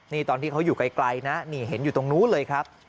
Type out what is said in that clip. นี่ตอนที่เขาอยู่ไกลนะนี่เห็นอยู่ตรงนู้นเลยครับ